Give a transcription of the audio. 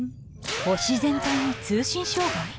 星全体に通信障害？